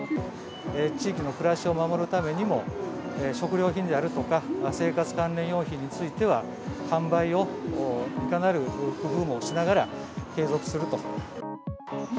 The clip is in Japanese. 地域の暮らしを守るためにも、食料品であるとか、生活関連用品については、販売をいかなる工夫もしながら継続すると。